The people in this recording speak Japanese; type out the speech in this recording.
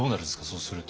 そうすると。